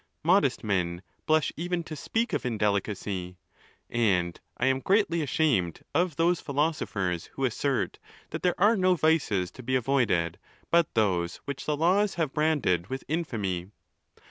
Modest men blush even to speak of indelicacy. And I am ereatly ashamed of those philosophers, who assert that there are no vices to be avoided but those which the laws have branded with infamy.